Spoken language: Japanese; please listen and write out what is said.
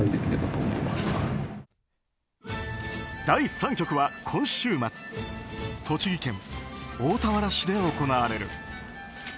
第３局は今週末栃木県大田原市で行われる。